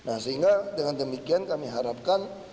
nah sehingga dengan demikian kami harapkan